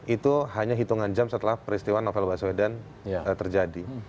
itu hanya hitungan jam setelah peristiwa novel baswedan terjadi